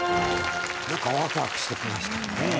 何かワクワクして来ましたね。